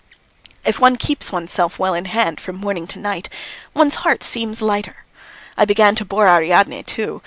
If one keeps oneself well in hand from morning to night, one's heart seems lighter. I began to bore Ariadne too.